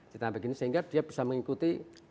kita begini sehingga dia bisa mengikuti